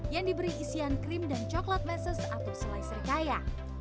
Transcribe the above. yang diberi isian krim dan coklat meses atau selai serikaya